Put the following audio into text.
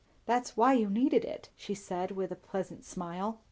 "That's why you needed it," she said with a pleasant smile.